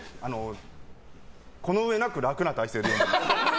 この上なく楽な体勢で読んでいます。